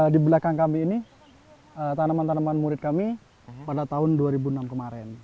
di belakang kami ini tanaman tanaman murid kami pada tahun dua ribu enam kemarin